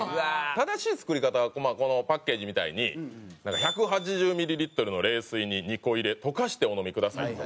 正しい作り方はこのパッケージみたいに「１８０ミリリットルの冷水に２コを入れ溶かしてお飲みください」と。